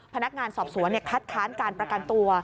พนักงานสอบสวนคัดค้านการประกันตัว